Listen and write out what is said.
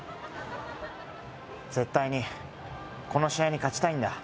絶対にこの試合に勝ちたいんだ